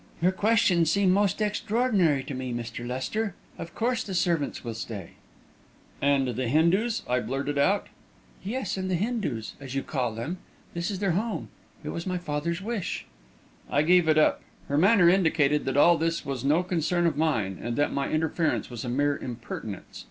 "Your questions seem most extraordinary to me, Mr. Lester. Of course the servants will stay." "And and the Hindus?" I blurted out. "Yes, and the Hindus, as you call them. This is their home. It was my father's wish." I gave it up; her manner indicated that all this was no concern of mine, and that my interference was a mere impertinence.